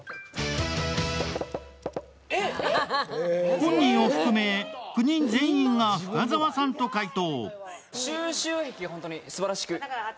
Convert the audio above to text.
本人を含め９人全員が深澤さんと回答。